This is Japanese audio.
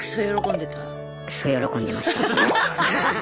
クソ喜んでました。